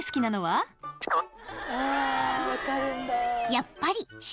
［やっぱり鹿］